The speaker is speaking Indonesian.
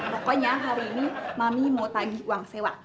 pokoknya hari ini mami mau tagih uang sewa